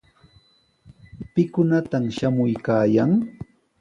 ¿Pikunataq shamuykaayan?